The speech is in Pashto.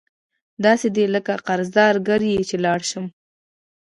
داسي دي لکه قرضدار کره چی لاړ شم